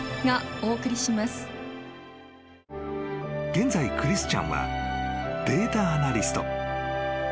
［現在クリスチャンはデータアナリスト］